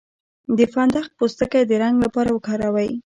د فندق پوستکی د رنګ لپاره وکاروئ